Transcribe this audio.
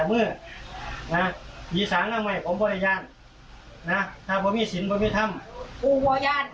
ผมบริญญาณอ่าผมไม่มีเมตตากับคนเข้าใจป่ะมึงไม่มีเมตตากับผมไม่มีเมตตาผมก็ไม่คุยกับเจ้านะ